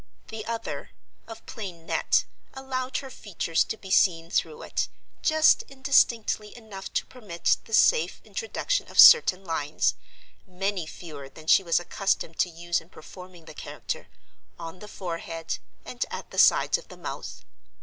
The other, of plain net, allowed her features to be seen through it, just indistinctly enough to permit the safe introduction of certain lines (many fewer than she was accustomed to use in performing the character) on the forehead and at the sides of the mouth.